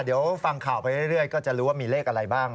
เดี๋ยวฟังข่าวไปเรื่อยก็จะรู้ว่ามีเลขอะไรบ้าง